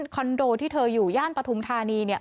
คอนโดที่เธออยู่ย่านปฐุมธานีเนี่ย